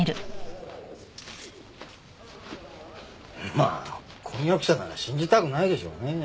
まあ婚約者なら信じたくないでしょうね。